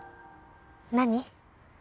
何？